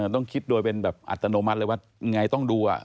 ต้องคิดโดยเป็นแบบอัตโนมัติเลยว่าไงต้องดู